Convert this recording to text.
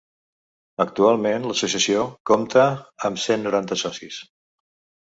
Actualment l’associació compta amb cent noranta socis.